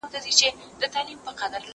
زه به شګه پاکه کړې وي!.